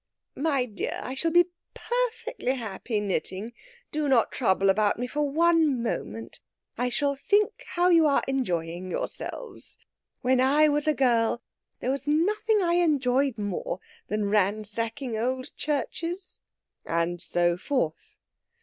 "My dear, I shall be _per_fectly happy knitting. Do not trouble about me for one moment. I shall think how you are enjoying yourselves. When I was a girl there was nothing I enjoyed more than ransacking old churches...." And so forth.